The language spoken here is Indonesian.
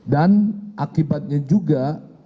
dan akibatnya juga